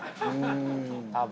多分。